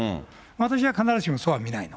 私は必ずしもそうは見ないの。